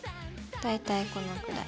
大体このくらい。